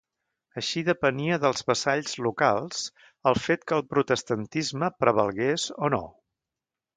Així depenia dels vassalls locals el fet que el Protestantisme prevalgués o no.